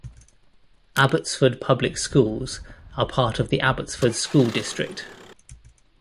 Abbotsford Public Schools are part of the Abbotsford School District.